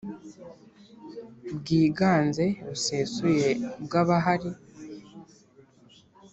bwiganze busesuye bw abahari